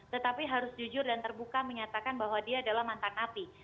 tetapi harus jujur dan terbuka menyatakan bahwa dia adalah mantan api